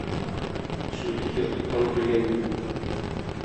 Сүтек ертыктан көлгән ди.